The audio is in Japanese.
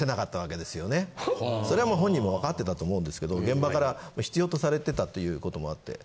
それはもう本人もわかってたと思うんですけど現場から必要とされてたっていうこともあって。